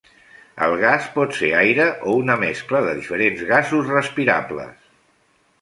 El gas pot ser aire o una mescla de diferents gasos respirables.